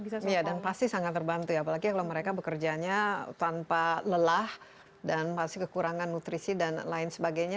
iya dan pasti sangat terbantu ya apalagi kalau mereka bekerjanya tanpa lelah dan pasti kekurangan nutrisi dan lain sebagainya